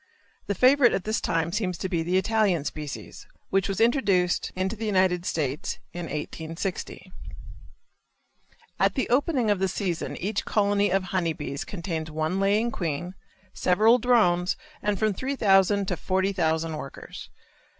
The favorite at this time seems to be the Italian species, which was introduced into the United States in 1860. At the opening of the season each colony of honey bees contains one laying queen, several drones, and from 3,000 to 40,000 workers.